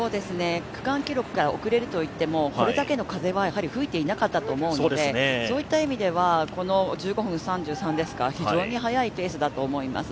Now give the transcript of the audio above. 区間記録から遅れるといっても、これだけの風、吹いてなかったと思うのでそういった意味では１５分３３ですか、非常に速いペースだと思います。